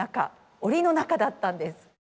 おりの中だったんです。